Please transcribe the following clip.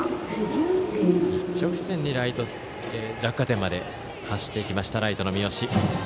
一直線に落下点まで入っていきました、ライトの三好。